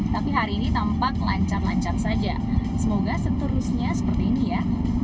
tapi hari ini tampak lancar lancar saja semoga seterusnya seperti ini ya